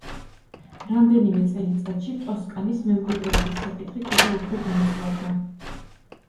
რამდენიმე წელიწადში, ტოსკანის მემკვიდრეობის საკითხი კიდევ უფრო გამწვავდა.